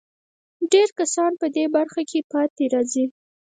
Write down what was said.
ډېر کسان په دې برخه کې پاتې راځي.